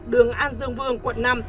đường an dương vương quận năm